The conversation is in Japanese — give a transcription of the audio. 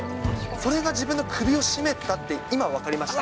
それが自分の首を絞めてたって、今、分かりました。